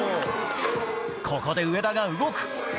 ここで上田が動く。